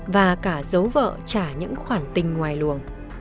và cả giấu vợ trả những khoản tình ngoài luồng